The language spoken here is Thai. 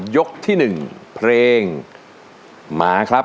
ยกที่๑เพลงมาครับ